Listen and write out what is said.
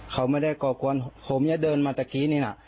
เขาไม่ได้ก่อกวนผมจะเดินมาตะกี้นี่น่ะ